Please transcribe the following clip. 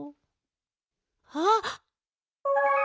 あっ。